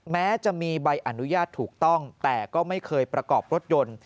แม้จะมีใบอนุญาตถูกต้องแต่ก็ไม่เคยประกอบรถยนต์